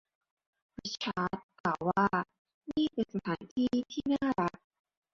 ริชาร์ดกล่าวว่านี่เป็นสถานที่ที่น่ารัก